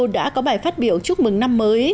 đã có bài phát biểu chúc mừng năm mới